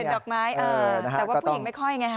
เด็ดดอกไม้แต่ว่าผู้หญิงไม่ค่อยไง